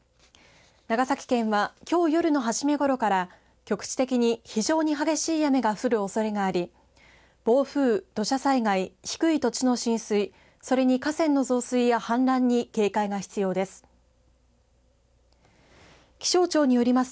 長崎県はきょう夜の初めごろから局地的に非常に激しい雨が降るおそれがあり暴風、土砂災害低い土地の浸水、それに河川の増水や氾濫に警戒が必要です。